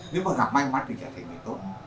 nếu mà gặp may mắn thì trở thành người tốt